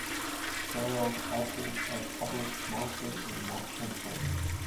Several titles are published monthly in most imprints.